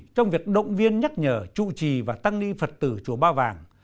trong việc động viên nhắc nhở trụ trì và tăng ni phật tử chùa ba vàng